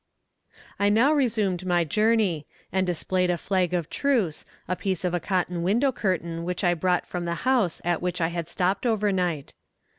I now resumed my journey, and displayed a flag of truce, a piece of a cotton window curtain which I brought from the house at which I had stopped over night.